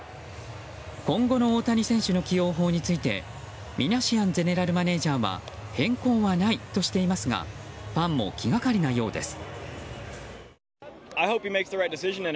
今後の大谷選手の起用法についてミナシアンゼネラルマネジャーは変更はないとしていますがファンも気がかりなようです。